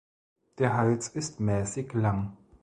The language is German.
Der Hals ist mäßig lang.